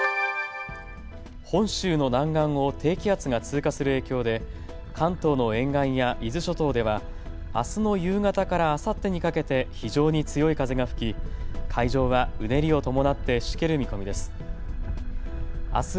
本州の南岸を低気圧が通過する影響で関東の沿岸や伊豆諸島ではあすの夕方からあさってにかけて非常に強い風が吹き海上はうねりを伴ってしける見込みです。